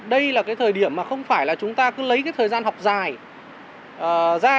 đây là cái thời điểm mà không phải là chúng ta cứ lấy cái thời gian học dài ra